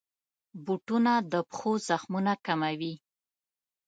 بوټونه د پښو زخمونه کموي.